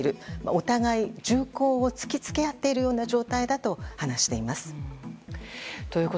お互い銃口を突きつけ合っているような状態だと話しています。